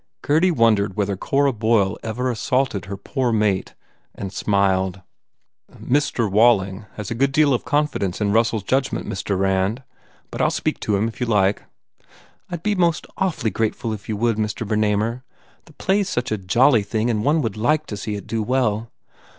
Gurdy wondered whether Cora Boyle ever assaulted her poor mate and smiled. 2O I THE FAIR REWARDS "Mr. Walling has a good deal of confidence m RusselFs judgment, Mr. Rand. But I ll speak to him if you like." "I d be most awf ly grateful if you would, Mr. Bernamer. The play s such a jolly thing and one would like to see it do well.